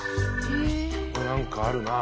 これ何かあるなあ。